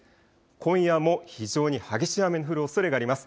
今夜も非常に激しい雨の降るおそれがあります。